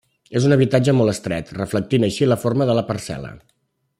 És un habitatge molt estret, reflectint així la forma de la parcel·la.